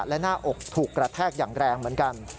และหน้าอกถูกกระแทกอย่างแรงเหมือนกัน